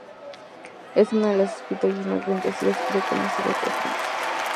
Es una de las escritoras más vendidas y reconocidas de Francia.